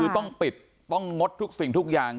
คือต้องปิดต้องงดทุกสิ่งทุกอย่าง